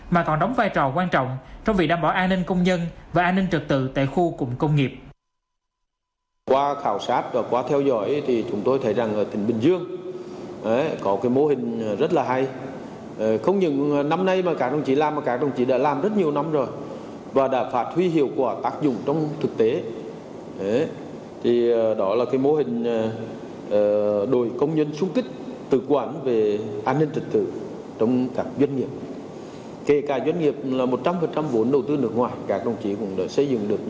mà còn đóng vai trò quan trọng trong việc đảm bảo an ninh công nhân và an ninh trật tự tại khu cùng công nghiệp